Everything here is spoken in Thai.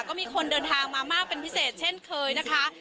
ก็มีคนเดินทางมามากเป็นพิเศษเช่นเคยนะคะ